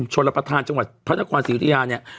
ชนรับประทานจังหวัดพระนครศรีอุทยาเนี่ย